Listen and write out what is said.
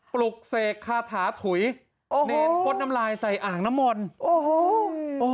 ปลุกเสกคาถาถุยโอ้เนรพดน้ำลายใส่อ่างน้ำมนต์โอ้โห